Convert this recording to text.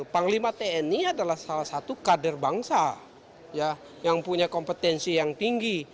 panglima tni adalah salah satu kader bangsa yang punya kompetensi yang tinggi